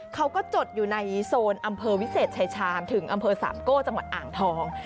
จดอยู่ในโซนอำเภอวิเศษชายชาญถึงอำเภอสามโก้จังหวัดอ่างทอง